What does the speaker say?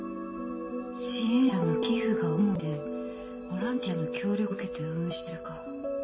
支援者の寄付が主な財源でボランティアの協力を受けて運営している」か。